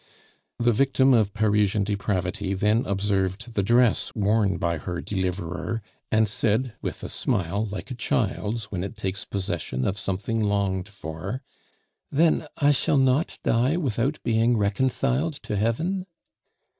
The victim of Parisian depravity then observed the dress worn by her deliverer, and said, with a smile like a child's when it takes possession of something longed for: "Then I shall not die without being reconciled to Heaven?"